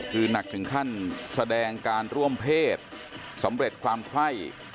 คือหนักถึงขั้นแสดงการร่วมเพศสำเร็จความไข้